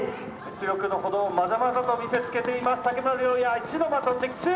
「実力のほどをまざまざと見せつけています